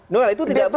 noel itu tidak benar